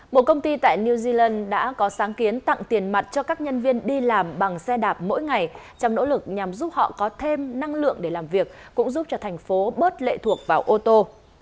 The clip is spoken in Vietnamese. một công ty tại new zealand đã có sáng kiến tặng tiền mặt cho các nhân viên đi làm bằng xe đạp mỗi ngày trong nỗ lực nhằm giúp họ có thêm năng lượng để làm việc cũng giúp cho thành phố bớt lệ thuộc vào ô tô